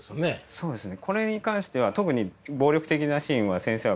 そうですね。